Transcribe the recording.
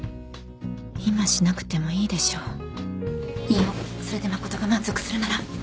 今しなくてもいいでしょいいよ。それで誠が満足するなら。